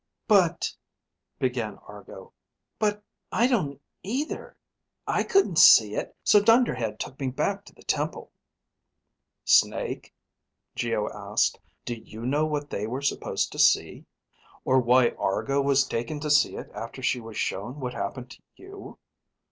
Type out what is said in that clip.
"But ..." began Argo. "But I don't either. I couldn't see it, so Dunderhead took me back to the temple." "Snake?" Geo asked. "Do you know what they were supposed to see? Or why Argo was taken to see it after she was shown what happened to you?"